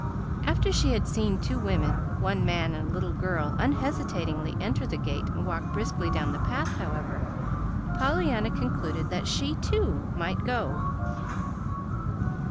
After she had seen two women, one man, and a little girl unhesitatingly enter the gate and walk briskly down the path, however, Pollyanna concluded that she, too, might go.